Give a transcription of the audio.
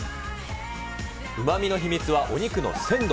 うまみの秘密はお肉の鮮度。